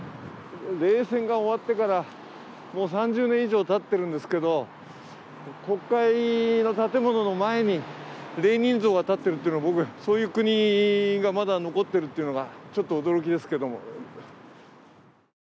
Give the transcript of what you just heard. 冷戦が終わってからもう３０年以上たっているんですけど、国会の建物の前にレーニン像が建っているという、そういう国がまだ残っているというのがちょっと驚きですけども。